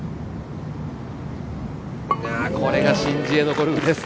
これがシン・ジエのゴルフです